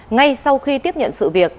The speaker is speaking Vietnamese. ngay sau khi tiếp nhận sự việc